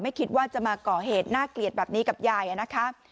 ไม่คิดว่าจะมาก่อเหตุน่าเกลียดแบบนี้กับยายนะคะ